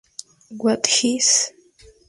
What Hits!?